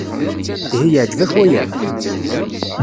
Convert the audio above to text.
Ihi yeɛjeb-ak waya?